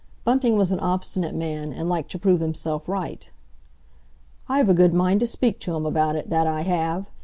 Bunting was an obstinate man, and liked to prove himself right. "I've a good mind to speak to him about it, that I have!